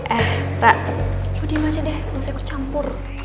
eh ra lo diem aja deh gausah aku campur